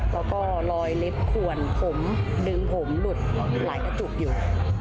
แล้วก็รอยเล็บขวนผมดึงผมหลุดหลายกระจุกอยู่